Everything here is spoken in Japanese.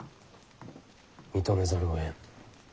認めざるをえん。